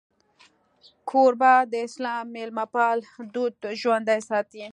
کوربه د اسلام میلمهپال دود ژوندی ساتي.